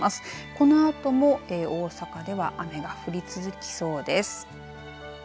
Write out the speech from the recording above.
このあとも大阪では雨が降り続きそうです。